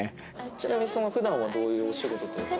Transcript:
ちなみに普段はどういうお仕事というか？